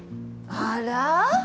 あら？